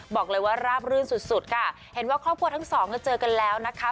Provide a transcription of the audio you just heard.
บอกว่าราบรื่นสุดสุดค่ะเห็นว่าครอบครัวทั้งสองก็เจอกันแล้วนะคะ